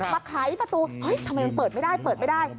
ปะไขประตูทำไมเปิดไม่ได้